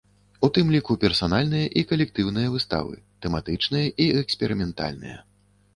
У тым ліку персанальныя і калектыўныя выставы, тэматычныя і эксперыментальныя.